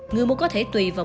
người mua có thể tùy vào